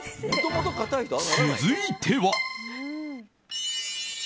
続いては。